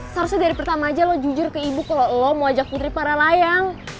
seharusnya dari pertama aja lo jujur ke ibu kalau lo mau ajak putri para layang